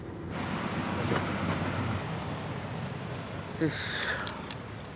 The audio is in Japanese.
よし。